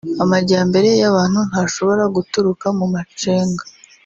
Amajyambere y’abantu ntashobora guturuka mu macenga